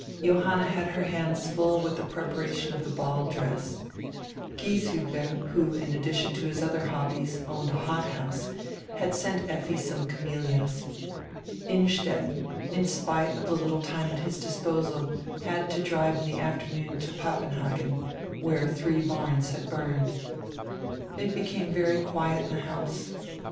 Johanna had her hands full widi die preparation of die ball dress. Gieshiibler, who, in addition to his other hobbies, owned a hothouse, had sent Effi some camelias. Innstetten, in spite of die little time at his disposal, had to drive in die afternoon to Papenhagen, where diree barns had burned. It became very quiet in die house.